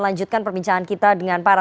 lanjutkan perbincangan kita dengan para